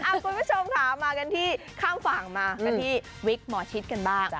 คุณผู้ชมค่ะมากันที่ข้ามฝั่งมากันที่วิกหมอชิดกันบ้าง